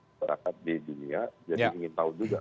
masyarakat di dunia jadi ingin tahu juga